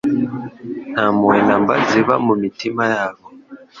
nta mpuhwe na mba ziba mu mitima yabo.